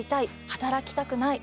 働きたくない。